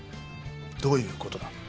どういうことだ？